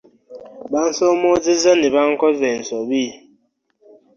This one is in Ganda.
Bansoomoozezza ne bankoza ensobi.